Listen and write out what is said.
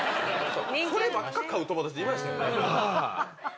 そればっか買う友達いましたよね。